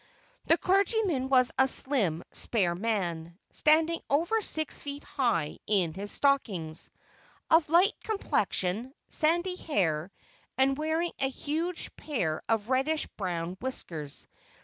The clergyman was a slim, spare man, standing over six feet high in his stockings; of light complexion, sandy hair, and wearing a huge pair of reddish brown whiskers.